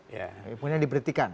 ini pun yang diberhentikan